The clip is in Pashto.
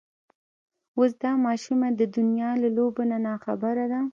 اوس دا ماشومه د دنيا له لوبو نه ناخبره ده.